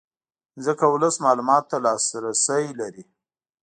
ځکه ولس معلوماتو ته لاسرې لري